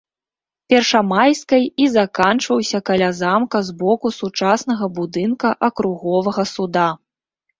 Першамайскай і заканчваўся каля замка з боку сучаснага будынка акруговага суда.